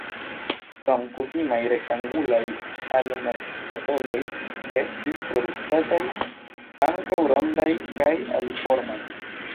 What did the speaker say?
Krom kutimaj rektangulaj alumetskatoloj estis produktataj ankaŭ rondaj kaj aliformaj.